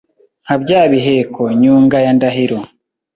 Nka bya biheko Nyunga ya Ndahiro